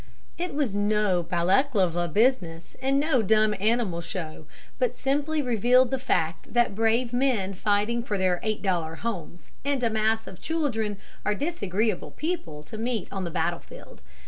It was no Balaklava business and no dumb animal show, but simply revealed the fact that brave men fighting for their eight dollar homes and a mass of children are disagreeable people to meet on the battle field.